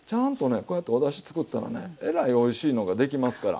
こうやっておだしつくったらねえらいおいしいのができますから。